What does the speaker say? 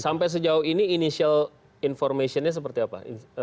sampai sejauh ini initial information nya seperti apa